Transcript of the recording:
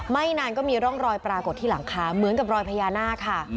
นานก็มีร่องรอยปรากฏที่หลังคาเหมือนกับรอยพญานาคค่ะ